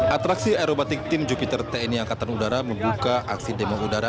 atraksi aerobatik tim jupiter tni angkatan udara membuka aksi demo udara